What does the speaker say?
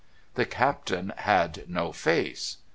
The Captain had no face...